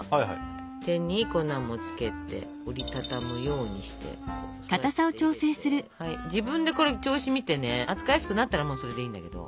手に粉もつけて折り畳むようにしてこうやって入れて自分でこれ調子を見てね扱いやすくなったらもうそれでいいんだけど。